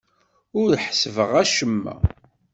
Ur ḥessbeɣ acemma.